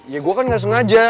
ya gue kan gak sengaja